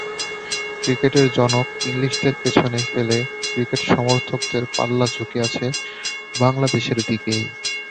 ক্রিকেটের জনক ইংলিশদের পেছনে ফেলে ক্রিকেট সমর্থকদের পাল্লা ঝুঁকে আছে বাংলাদেশের দিকেই।